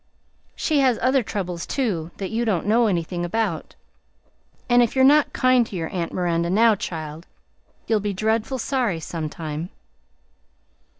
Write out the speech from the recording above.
She has other troubles too, that you don't know anything about, and if you're not kind to your aunt Miranda now, child, you'll be dreadful sorry some time."